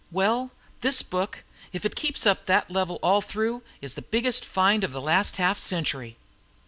Well, this book, if it keeps up that level all through, is the biggest find of the last half century.